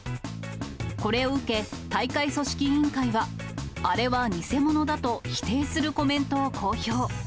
これを受け、大会組織委員会は、あれは偽物だと否定するコメントを公表。